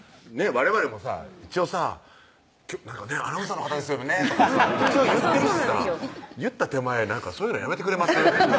われわれもさ一応さ「アナウンサーの方ですよね」とか一応言ってるしさ言った手前そういうのやめてくれません？